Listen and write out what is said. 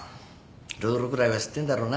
ルールぐらいは知ってんだろうな？